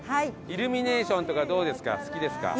イルミネーションとかどうですか？